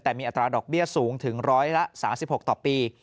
แต่มีอัตราดอกเบี้ยสูงถึงร้อยละ๓๖ต่อปี